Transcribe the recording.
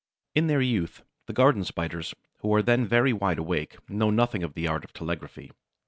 In their youth, the Garden Spiders, who are then very wide awake, know nothing of the art of telegraphy.